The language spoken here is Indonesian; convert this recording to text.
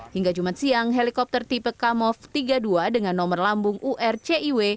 hingga jumat siang helikopter tipe kamov tiga puluh dua dengan nomor lambung urciw